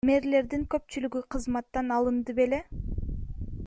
Мэрлердин көпчүлүгү кызматтан алынды беле?